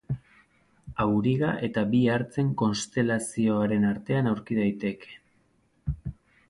Auriga eta bi hartzen konstelazioaren artean aurki daiteke.